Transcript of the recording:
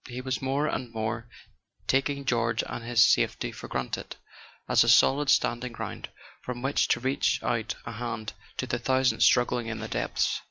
He was more and more taking George and his safety for granted, as a solid standing ground from which to reach out a hand to the thousands struggling in the depths.